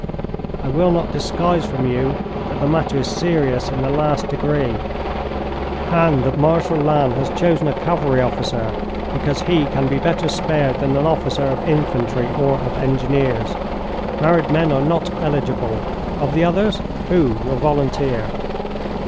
I will not disguise from you that the matter is serious in the last degree, and that Marshal Lannes has chosen a cavalry officer because he can be better spared than an officer of infantry or of engineers. Married men are not eligible. Of the others, who will volunteer?"